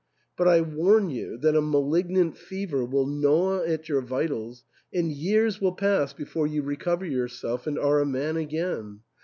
But I warn you that a malignant fever will gnaw at your vitals, and years will pass before you recover yourself, and are a man again.